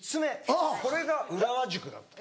これが浦和宿だった。